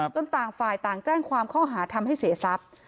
ต่างฝ่ายต่างแจ้งความข้อหาทำให้เสียทรัพย์